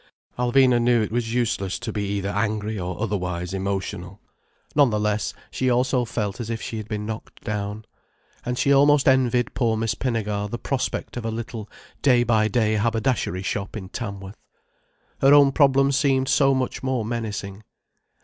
Alvina knew it was useless to be either angry or otherwise emotional. None the less, she also felt as if she had been knocked down. And she almost envied poor Miss Pinnegar the prospect of a little, day by day haberdashery shop in Tamworth. Her own problem seemed so much more menacing.